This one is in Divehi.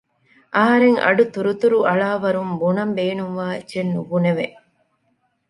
އަހަރެން އަޑު ތުރުތުރު އަޅާވަރުން ބުނަން ބޭނުންވާ އެއްޗެއް ނުބުނެވެ